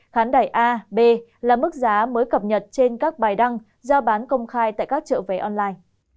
khán đài a b là mức giá mới cập nhật trên các bài đăng giao bán công khai tại các chợ vé online